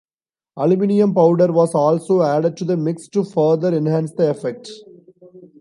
Aluminium powder was also added to the mix to further enhance the effect.